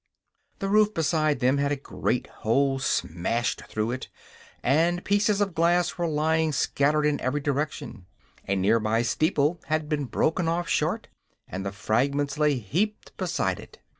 The roof beside them had a great hole smashed through it, and pieces of glass were lying scattered in every direction. A near by steeple had been broken off short and the fragments lay heaped beside it.